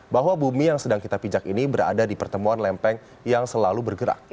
bahwa bumi yang sedang kita pijak ini berada di pertemuan lempeng yang selalu bergerak